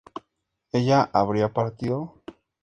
¿ella habría partido?